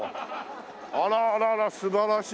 あらあらあら素晴らしい。